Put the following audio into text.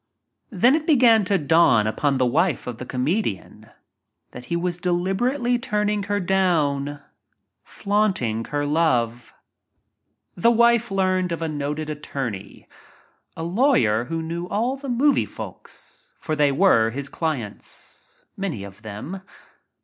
Then it began to dawn upon the wife of the comedian that he was deliberately turning her down — flauting her love. The wife learned of a noted attorney— a lawyer who knew all the movie folks, for they were his clients — many of them.